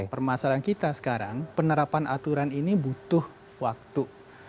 permasalahan kita sekarang penerapan aturan ini butuh waktu